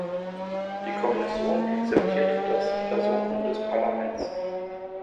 Die Kommission akzeptiert das Ersuchen des Parlaments.